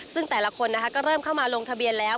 ซึ่งแต่ละคนนะคะก็เริ่มเข้ามาลงทะเบียนแล้ว